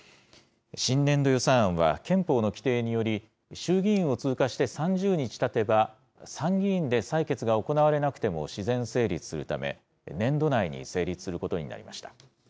新年度予算案は憲法の規定により、衆議院を通過して３０日たてば、参議院で採決が行われなくても自然成立するため、年度内に成立することになりました。